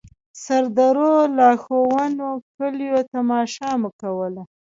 سردرو، لاښونو، کليو تماشه مو کوله.